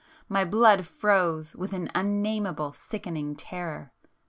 My blood froze with an unnameable sickening terror